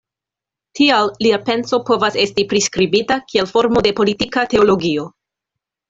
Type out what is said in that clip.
Tial lia penso povas esti priskribita kiel formo de politika teologio.